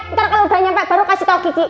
ntar kalau udah nyampe baru kasih tau kiki